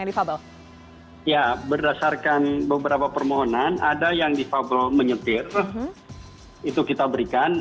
difabel ya berdasarkan beberapa permohonan ada yang difabel menyetir itu kita berikan